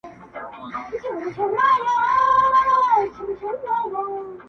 لاس دي رانه کړ اوبو چي ډوبولم٫